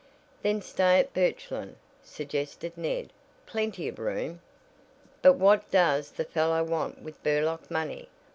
"Then stay at Birchland," suggested Ned. "Plenty of room." "But what does the fellow want with the Burlock money?"